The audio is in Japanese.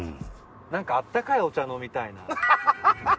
なんか温かいお茶飲みたいなあ。